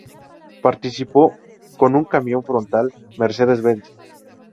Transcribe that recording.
Participó con un camión frontal Mercedes-Benz.